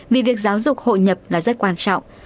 vì việc giáo dục hội nhập là rất quan trọng